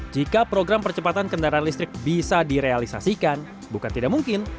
jika program percepatan kendaraan listrik bisa direalisasikan bukan tidak mungkin